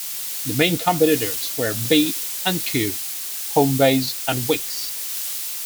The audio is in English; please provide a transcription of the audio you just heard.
The main competitors were B and Q, Homebase and Wickes.